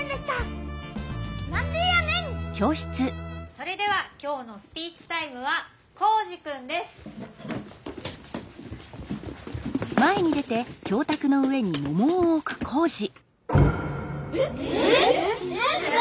それではきょうのスピーチタイムは光司くんです。え！？何？